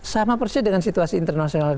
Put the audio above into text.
sama persis dengan situasi internasional